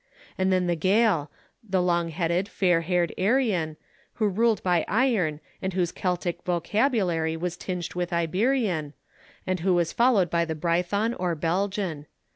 And then the Gael, the long headed, fair haired Aryan, who ruled by iron and whose Keltic vocabulary was tinged with Iberian, and who was followed by the Brython or Belgian.